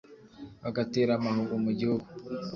Bagatera amahugu mu gihugu